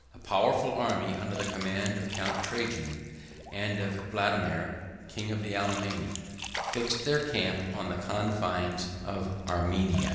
A powerful army, under the command of Count Trajan, and of Vadomair, king of the Alemanni, fixed their camp on the confines of Armenia.